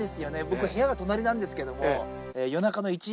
僕部屋が隣なんですけども。